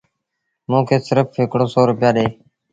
موݩ کي سرڦ هڪڙو سو روپيآ ڏي